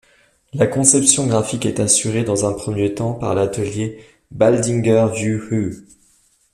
La conception graphique est assurée dans un premier temps par l'atelier Baldinger-Vu-Huu.